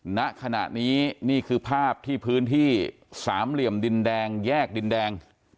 ณขณะนี้นี่คือภาพที่พื้นที่สามเหลี่ยมดินแดงแยกดินแดง